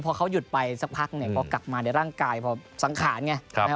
พอเขาหยุดไปสักพักเนี่ยพอกลับมาในร่างกายพอสังขารไง